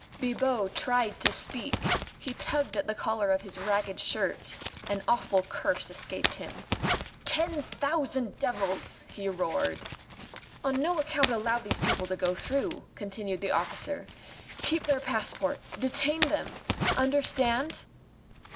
Bibot tried to speak; he tugged at the collar of his ragged shirt; an awful curse escaped him. "Ten thousand devils!" he roared. "On no account allow these people to go through," continued the officer. "Keep their passports. Detain them!... Understand?"